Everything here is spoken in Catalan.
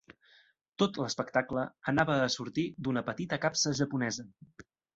Tot l'espectacle anava a sortir d'una petita capsa japonesa.